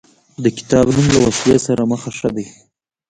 د کتاب نوم له وسلې سره مخه ښه دی.